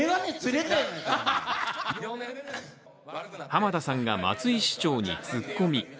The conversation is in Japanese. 浜田さんが松井市長にツッコミ。